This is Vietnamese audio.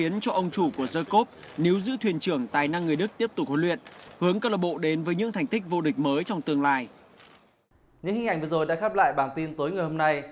những hình ảnh vừa rồi đã khép lại bản tin tối ngày hôm nay